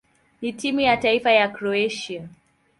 na timu ya taifa ya Kroatia.